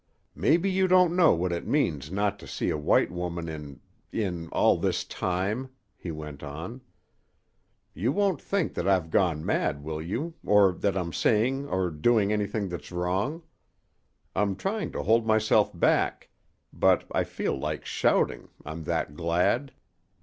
"Mebbe you don't know what it means not to see a white woman in in all this time," he went on. "You won't think that I've gone mad, will you, or that I'm saying or doing anything that's wrong? I'm trying to hold myself back, but I feel like shouting, I'm that glad.